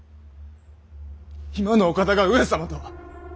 今のお方が上様とは！